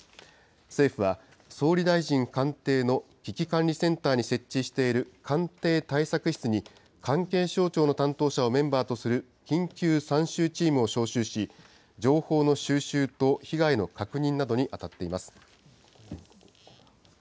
政府は、総理大臣官邸の危機管理センターに設置している官邸対策室に、関係省庁の担当者をメンバーとする緊急参集チームを招集し、情報の収集と被害の確認などに当たっています。